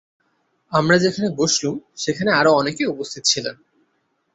আমরা যেখানে বসলুম, সেখানে আরও অনেকে উপস্থিত ছিলেন।